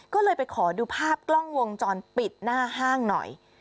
ก็เลยไปขอดูภาพกล้องวงจรปิดหน้าห้างหน่อย